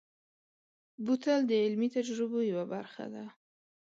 بوتل د علمي تجربو یوه برخه ده.